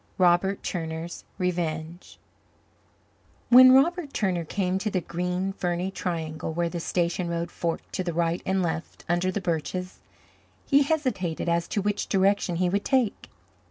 Robert Turner's Revenge When Robert Turner came to the green, ferny triangle where the station road forked to the right and left under the birches, he hesitated as to which direction he would take.